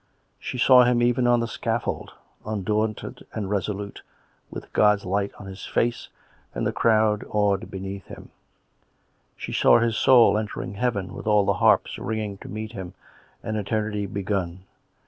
She saw him even 124 COME RACK! COME ROPE! on the scaffold, undaunted and resolute, with God's light on his face, and the crowd awed beneath him; she saw his soul entering heaven, with ^1 the harps ringing to meet him, and eternity begun.